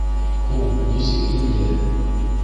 Һуң нисек инде!